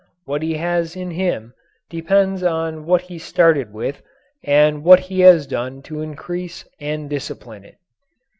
What he has in him depends on what he started with and what he has done to increase and discipline it.